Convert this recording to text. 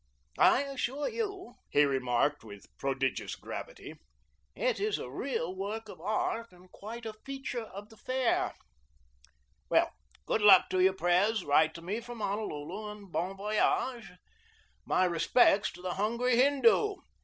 I assure you," he remarked With prodigious gravity, "it is a real work of art and quite a 'feature' of the Fair. Well, good luck to you, Pres. Write to me from Honolulu, and bon voyage. My respects to the hungry Hindoo.